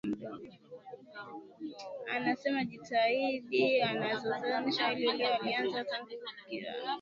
Anasema jitihada anazozionesha hii leo alianza tangu akiwa mdogo